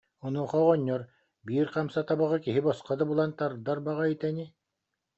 Онуоха оҕонньор: «Биир хамса табаҕы киһи босхо да булан тардар баҕайыта ини»